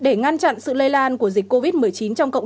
để ngăn chặn sự lây lan của dịch covid một mươi chín trong cộng đồng